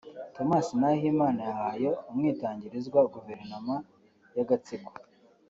Thomas Nahimana yahaye umwitangirizwa guverinoma y’agatsiko”